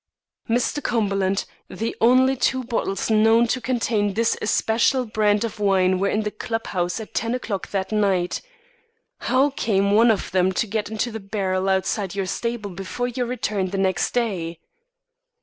"Mr. Cumberland, the only two bottles known to contain this especial brand of wine were in the clubhouse at ten o'clock that night. How came one of them to get into the barrel outside your stable before your return the next day?"